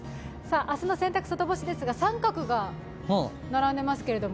明日の洗濯外干しですが△が並んでいますけれども？